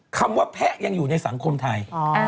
คำว่าแพะยังอยู่ในสังคมไทย